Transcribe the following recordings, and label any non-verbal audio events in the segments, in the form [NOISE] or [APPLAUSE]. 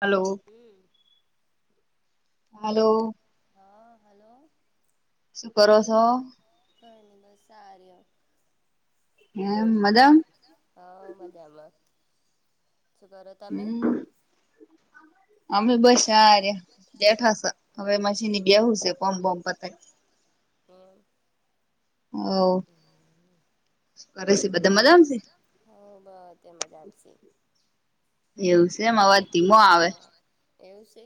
Hello, hello. હા, hello [UNINTELLIGIBLE] એમ madam. હા મજામાં. શું કરો તમે? અમે બસ સાર બેઠા હવે મશીની બેવું છે પમ્પ વમ્ પતા. હમ. હ કરે છે બધા. હ બ એ મજા આવશે. એવું કેમ અવાજ ઘીમો આવે. એવું છે.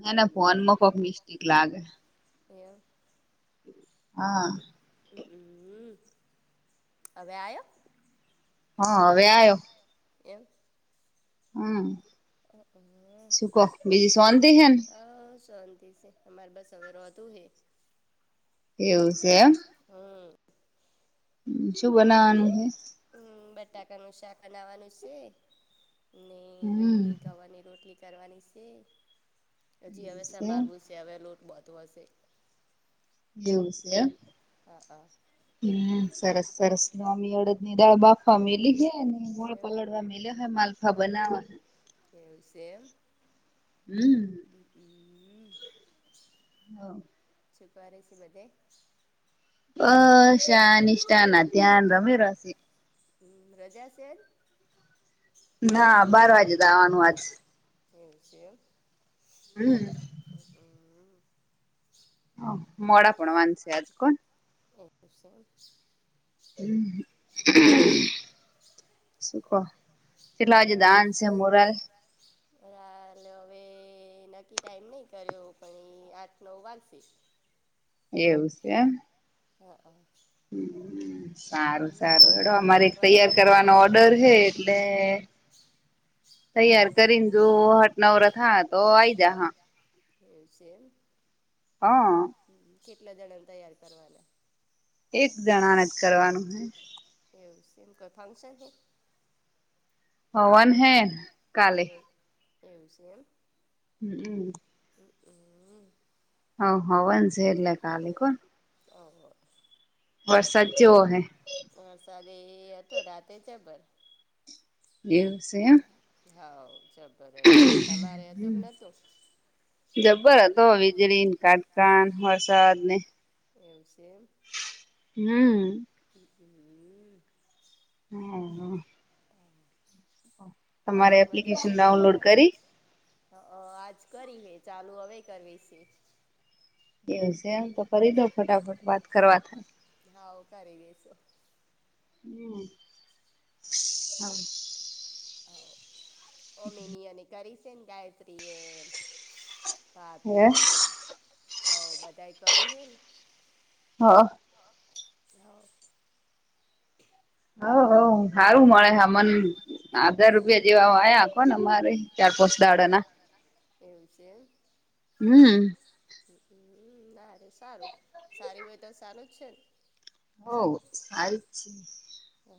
હમ એને ફોનમાં મિસ્ટક લાગે. એમ. હા. હમ્મ હવે આયો? હવે આયો એમ. હમ શું કો બીજી સવાનતી હન. હ શાંતિ છે. અમારે બસ હમ. હમ બટાકાનું શાક બનાવાનું છે. ને ગવારની રોટલી કરવાની છે હજી હવે સાંભળું છે. સવેલ લોટ બતો હશે. એવું છે હમ સરસ સરસ સ્વામીઓડ દાળ બાફવા મેલી હ ને ગોળ પલળવા મેલ્યા હોય માલફા બનાવવા. એવું સે એમ. હમ. હમ હમ, શું કરે છે બધે. હહ શા નિષ્ના ધ્યાન રમી રસી. હમ, રજા છેે? ના બાર વાગે તો આવવાનું આજ એ છેમ હમ હ હમ મોડા પણ વાંધશે આજ કોણ એસો હમ [UNINTELLIGIBLE] સુ કો કેટલા જુ દાન છે મોરાલ બરાલે હવે નક્કી ટાઈમ નહીં કર્યો પણ એ આઠ નવ વાગશે એવું છેમ હા હ હ સારું સારું હડો અમારે એક તૈયાર કરવાનો ઓર્ડર હ એટલે તૈયાર કરીને જો હટ નવરથ હા તો આઈ જા હા એવ છે એમ કેટલા જણાને તૈયાર કરવાના એક જણાને જ કરવાનું હૈ. એવું સિમકો ફંશન હો હવાન હે કાલે કે એમસી એમ હમ હમ હ હમ હ હ વન સરલે ક આ લ કો ઓ વરસાદ ચેવો હ વરસાદી એ હતો રાતે જભર એવું છેહ હા જબબર હતું તમારે હતું કે નતું જબર હતો વીજળી, કાટકાન, વરસાદ ને એવું છે અમ હમ હમ હા હ પાર્લર માં જશે કે નઈ જા આજ કરી હે ચાલુ હવે કરવી છે. એવું છે એમ તો કરીરી દો ફટાફટ વાત હા કરી બેસો હમ હ હ ઓમીની અને કરી છે ને ગાયત્રી એ પાપી હ બધા કરી હેમ હ હા હ હ હ હ સારું મળે હમન હજાર રૂપિયા જેવા આખો ને અમારે ચાર પોચ દાડાના એવું છે. હમ હમ ના ર સારું સારી હોય તો સારું જ છે ને હો સારી જ છે હ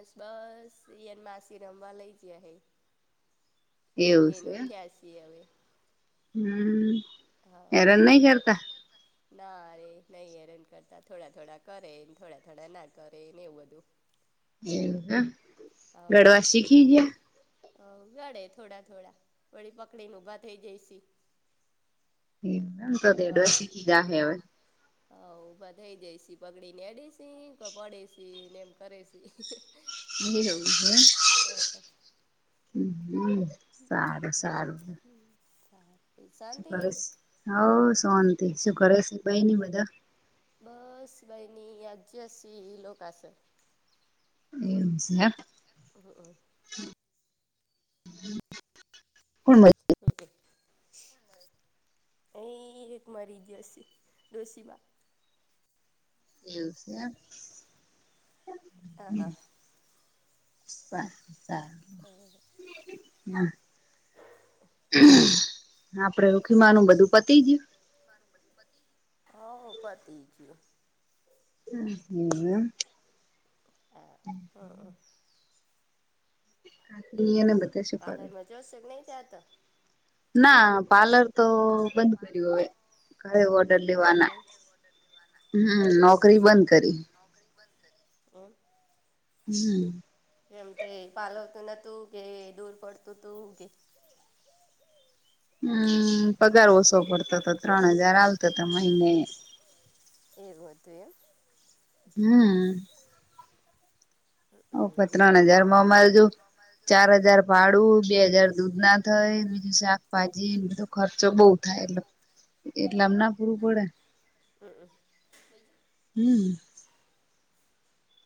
એસ બસ એન માસી રમવા લઈ જ હ ઊઘેનું ઉથ્યાસી હવે હમ હા હેરાન ન કરતા ના ર નહી હેરન કરતા થોડા થોડા કરે થોડા થોડા ના કરે ને એવું બધું. એ હા. હ [UNINTELLIGIBLE] અ ગડે થોડા થોડા થોડી પકડી ને ઊભા થઇ જઈશ. એ તો દેડ વર્ષી કીધા હે હવે. હ ઊભા થઇ જઈશ પગડી ને એડેસ કો પડેસ ને એમ કરે છે. હમમ. ઓ. હમ હમ. માં સાર. શું કર છે હ સોંતિ શું કરરે છે બેઈ ની બધા. બસ બહેની અ્યસીી લોકાસન. એવમ છે. હ અ. હ [UNINTELLIGIBLE] હમકે. એ એક મારી દ્યોશ ડોસીીમાં. એવું છે. હ. [UNINTELLIGIBLE] હ [UNINTELLIGIBLE] હમ. આપડે રખી માનું બધું પતી ગયું. હ પતિ ગયો. હમ. હ હ. એને બધ. પાર્લરમાં જોશે કે નહી જતો. ના પાર્લર તો. તો એમ છે એમ. નોકરી બંધ કરી. હમ. કેમ તે પાલવતું ન તું કે દૂર પડતું તું કે હમ્મ, પગાર ઓછો પડતો હતો ત્રણ હજાર આવતો હતા મહિને. એવું હતું એમ? હમ્મ. ઓ ત્રણ હજારમાં અમારે જો ચાર હજાર ભાડું, બે હજાર દૂધ ના થઈ શાકભાજી એ બધો ખર્ચો બઉ થાય એટલે એટલેમ ના પૂરું પડે. [UNINTELLIGIBLE] હમ્મ.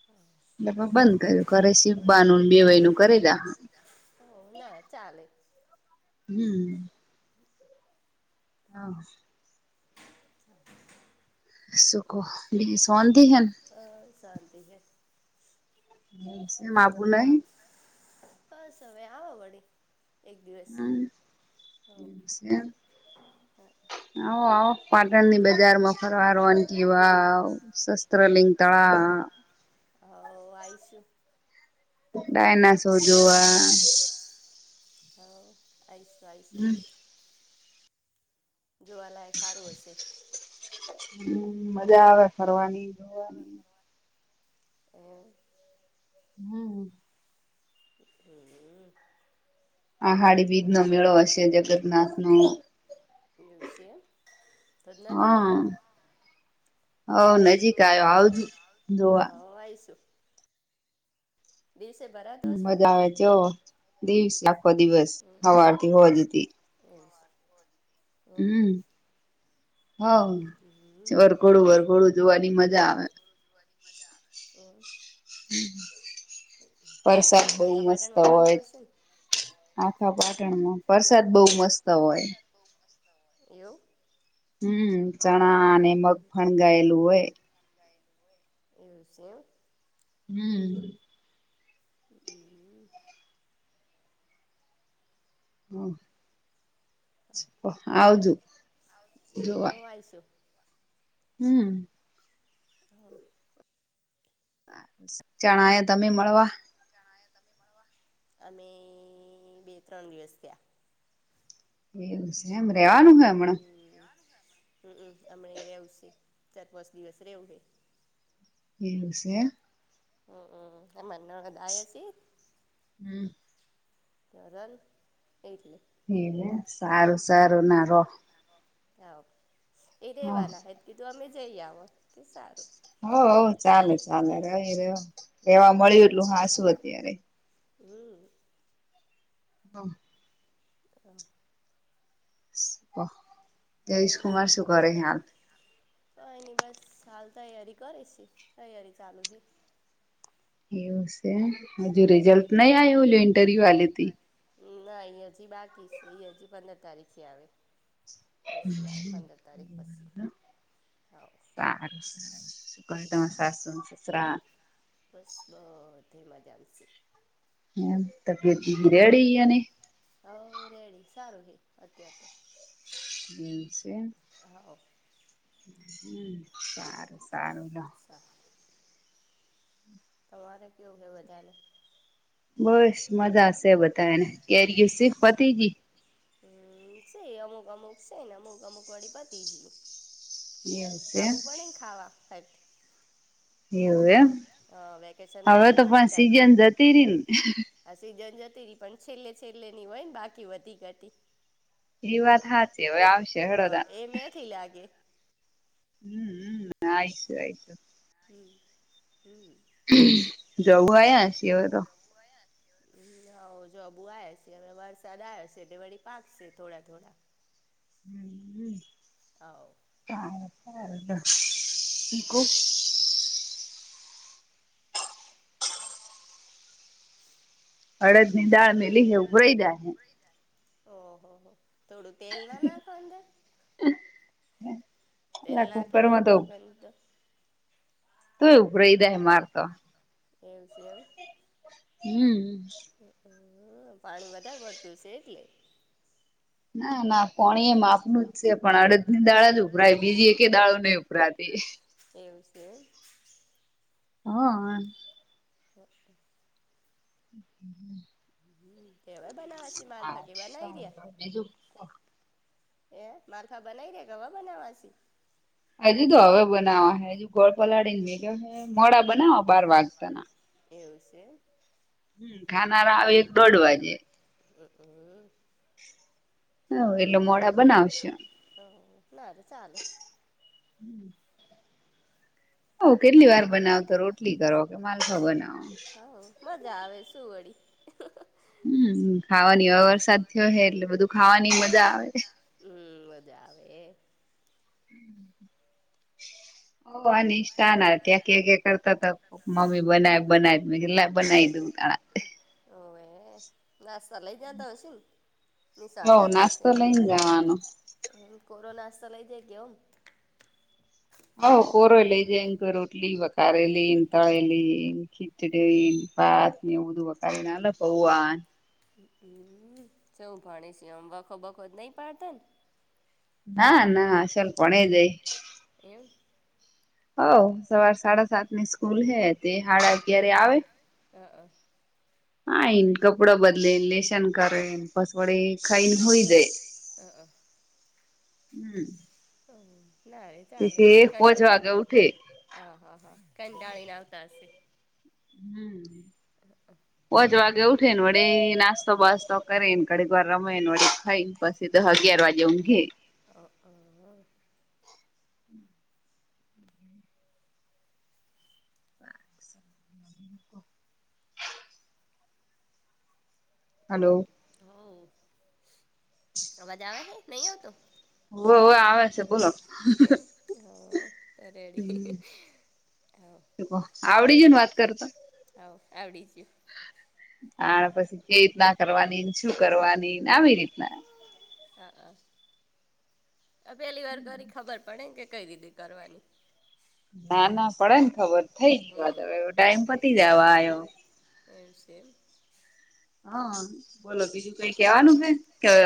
હા. એ બંધ કર્યું ઘરે સીબનું બે વાય નું કરી દા. હમ્મ. હા. [INAUDIBLE] શું કો [UNINTELLIGIBLE] શાંતિ છે. [UNINTELLIGIBLE] બસ હવે આવો વળે એક દિવસ, હ. એમ, આવો આવો. પાટણની બજારમાં ફરવા રવાન કી વાવ શસ્ત્રલિંગ તળા. હવ આયશું. ડાયનોસો જોવા. હવ આઇસે, આઇસે. જોવાલાયક હારું હશેે? હમ્મ, મજા આવે ફરવાની. [UNINTELLIGIBLE] હમ્મ. [UNINTELLIGIBLE] અહાડી બીજ નો મેળો હશે જ એવું છેમ તો નજીક આયો. હવ આઇશું. મજા આવે ચેવો દિવસ આખો દિવસ સવાર થી હોજ હુધી. એજ. હમ્મ, હવ જરઘોડું વરઘોડું જોવાની મજા આવે. [UNINTELLIGIBLE] પરસાદ બવ મસ્ત હોય. આખા પાટણમાં પરસાદ બવ મસ્ત હોય. એવું? હમ્મ, ચણા અને મગ ફણગાયેલું હોય. એવુસે એમ. હમ્મ. હમ્મ. હમ્મ, આવજો જોવા. પાયશું. હમ્મ. હા. ચણાએ તમે મળવા અમે બે ત્રણ દિવસ ગયા. એવુંશે એમ રેવાનું હે હમણા? હુકુ હમણા રેવ છે. ચાર પાંચ દિવસ રવું હે. એવું શે? હક તમારે નણંદ આયા છે? હમ્મ. તરલ એટલે. હેને સારું સારું ના રો. હાવ એ રવાના હે કેધું અમે જઈ આવ કે સારું. હવ હવ, ચાલે ચાલે, ર રહ રેવા મળ્યું એટલું હાસું અત્યારે. હમ્મ. [UNINTELLIGIBLE] અવ. [UNINTELLIGIBLE] બસ શાંતિ. કઈની બસ હાલ તૈયારી કરીશી. તૈયારી ચાલુ હૈ. એવુંશે, હજુ રિઝલ્ટ નય આયુ, ઓલ્યા ઇન્ટરવ્યુ આલ્યુતું ઇ? ના ઈ અજી બાકી સે. એ અજી પંદર તારીખે આવે. પછી આવે પંદર તારીખ પછી, હવ. શું કરે તમારા સાસુને સસરા? બસ બધે મજામાં સે. રેડી એનેય? હવ રેડી સારું હે અત્યારે તો. હમ્મ છેન હમ્મ સારુ. [UNINTELLIGIBLE] તમારે કેવું છે બધાને? બસ મજાશે બધાંયને, કેરયુ શેક પતિજી? હમ્મ, સે અમુક અમુક સેન અમુક અમુક વાડી પતી જ. આબુ બને ખાવા હે. હ વેકેશનમાં [UNINTELLIGIBLE] પણડંદર આ સીઝન જતી રિ પણ છેલ્લે છેલ્લે ની હોય ને બાકી વધી ગ હતી. હા એ મેથી લાગે. હમ હ આશ આયતું. હમ હમ. જવું આયા સી અવે તો. ું આવયા [UNINTELLIGIBLE] હમ હ જોબુ આવ છે હવે વરસાદ આવ્યો છે તે વળી પાકશે થોડા થોડા. હમ હ. આવ. હા [UNINTELLIGIBLE] હ [UNINTELLIGIBLE] અળદની દાળ મેલી હે ઉભરાય જહે. ઓહો હો થોડું તેલ ના નાખો અંદર? હમ. તેલ નાખીને મકો તો. તો એ ઉભરાહી દે માર તો. એવું છે એવું. હમ. હ પાણી વધારે પડતું હશે એટલે. હા પાણી એડું છે પણ અડ દાળ જ ઉભરાય બીજી દાું ઉભરાય [UNINTELLIGIBLE] એવું છે. હ. હ. હ હ. હમ કેવાય બનાવાસી માલભાગી બનાવી રહ્યા. એજું [UNINTELLIGIBLE] એ માલખા બનાવી રે ગવા બનાવાસી. હજુ તો હવે બનાવ હે હજુ ગોળપલાળીને ભેગ હ મોડા બનાવ બાર વાગતાના. એવુ છે. હમ ખાનાર આવે એક દોઢ વાગે. હ હા. હ. મો લ ચાલે. હમ. ઓ કેટલી વાર બનાવ તો રોટલી કરો કે માલખા બનાવો. મજા આવે શું વળી. ખવાની વાવા સાધ હ ખાવાની મજા આવે [UNINTELLIGIBLE] હમ મજા આવે. હમ [UNINTELLIGIBLE] ઓ અને ષ્ટાના ત્યાં ક્યા ક કરતા હતા મમ્મી બનાય બનાય મેલા બનાવી દઉં ત. ઓવે નાસ લઈજ ત મશેન. નિશાળ જાતા હશે એમ, કોરોના તો લઈ જે ગયોમ. હ કોરો એલે એ જયંકર. કટલી વાખારે એલી ન તળલી કીચડી પાત ન ઉદવા. કનાલ પોવા. સૌ ભણીશ આમ વખો વખો નહીં પાડતા ને. નાા ના સ્લપણ જાય. એમ? હ સવાર સાડા સાત ની સ્કૂલ હે તે હાડા અત્યારે આવે. હ અ [INAUDIBLE] આ એ કપડો બદલે લેશન કરે ફસવડે ખાઈને હોય જાય હમ [INAUDIBLE] હ ના ર ચાલે ક વાગ [INAUDIBLE] આા હા હા કડળી ના તશે હમ હ હ [INAUDIBLE] પોજ વાગે ઉઠે ને વડે નાસ્તો બાસ્તો કરીેને ઘડી વાર રમે ને વડે ખાઈ પછી દહ અગિયાર વાગે ઊંઘે હ હ [INAUDIBLE] હલો હ અવાજ આવે છેે નહી આવતો ઓ આવે છે બોલો હમ આ આવડી જન વાત કરતો હવ આવડી જ હ પછી કે રીતના કરવાની શું કરવાની આવી રીતના હા હા પહેલી વાર કરી ખબર પડેને કે કઈ રીતે કરવાની ના ના પડે ને ખબર થઈ ઈ વાત હવે ટાઈમ પતી જવા આવ્યો એમ સમ [INAUDIBLE] હા બોલો બીજું કઈ કેવાનું છે?